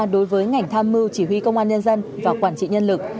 đối với ngành tham mưu chỉ huy công an nhân dân và quản trị nhân lực